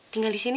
tinggal di sini